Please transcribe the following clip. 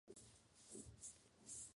Y en ocasiones son fluorescentes.